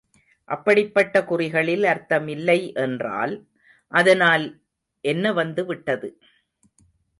அப்படிப்பட்ட குறிகளில் அர்த்தமில்லை என்றால் அதனால் என்ன வந்து விட்டது.